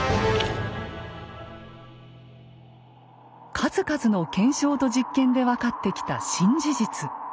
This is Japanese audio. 数々の検証と実験で分かってきた新事実。